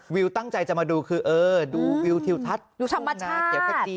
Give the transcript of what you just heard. วิวตั้งใจจะมาดูคือเออดูวิวทิวทัศน์ดูธรรมดาเขียวขจี